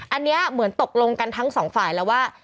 อันนี้เหมือนตกลงกันทั้งสองฝ่ายแล้วว่า